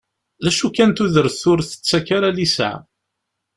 D acu kan tudert ur tettak ara liseɛ.